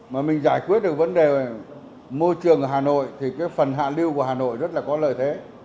mà mình giải quyết được vấn đề môi trường ở hà nội thì cái phần hạ lưu của hà nội rất là có lợi thế